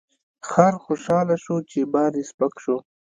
خر خوشحاله شو چې بار یې سپک شو.